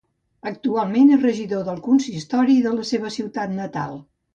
Actualment és regidor del consistori de la seva ciutat natal.